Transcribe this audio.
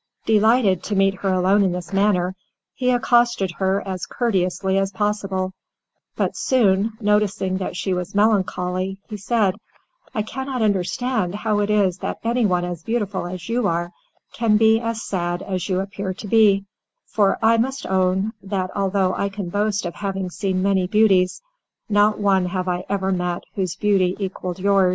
Delighted to meet her alone in this manner, he accosted her as courteously as possible, but soon, noticing that she was melancholy, he said: "I cannot understand how it is that anyone as beautiful as you are, can be as sad as you appear to be; for I must own, that although I can boast of having seen many beauties, not one have I ever met whose beauty equalled yours."